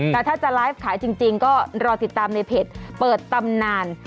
แต่ถ้าจะไลฟ์ขายจริงก็รอติดตามในเพจเปิดตำนาน